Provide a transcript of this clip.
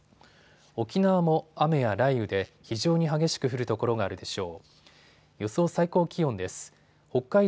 沖縄も雨や雷雨で非常に激しく降る所があるでしょう。